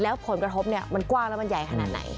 แล้วผลกระทบเนี่ยมันกว้างแล้วมันใหญ่ขนาดไหน